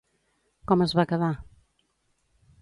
Com es va quedar?